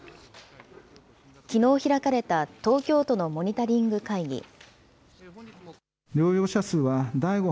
きのう開かれた東京都のモニタリング会議。